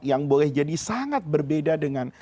yang boleh jadi sangat berbeda dengan